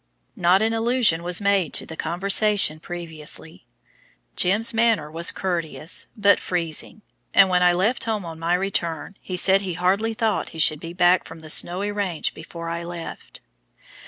Not an allusion was made to the conversation previously. "Jim's" manner was courteous, but freezing, and when I left home on my return he said he hardly thought he should be back from the Snowy Range before I left.